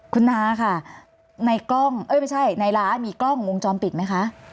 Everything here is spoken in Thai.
คุณน้าค่ะในกล้องเอ้ยไม่ใช่ในร้านมีกล้องวงจรปิดไหมคะ